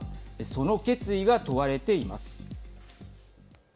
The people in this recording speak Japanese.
その決意が問われています。